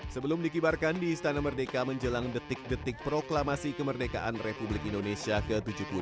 sebelum dikibarkan di istana merdeka menjelang detik detik proklamasi kemerdekaan republik indonesia ke tujuh puluh delapan